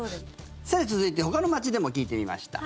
さて、続いてほかの街でも聞いてみました。